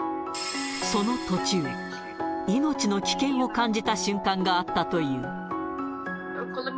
その途中、命の危険を感じた瞬間があったという。